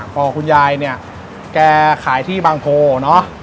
พอคุณยายเนี่ยแกขายที่บางโพเนอะ